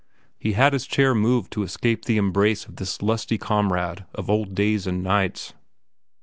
He had his chair moved to escape the embrace of this lusty comrade of old days and nights.